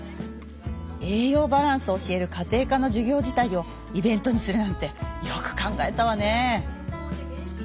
栄養バランスを教える家庭科のじゅ業自体をイベントにするなんてよく考えたわね。